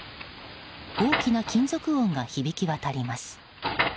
大きな金属音が響き渡ります。